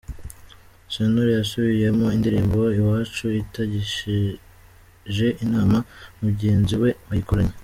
Sentore yasubiyemo indirimbo Iwacu atagishije inama mugenzi we bayikoranye